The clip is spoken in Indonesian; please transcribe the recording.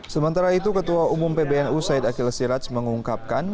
sementara itu ketua umum pbnu said akhil siraj mengungkapkan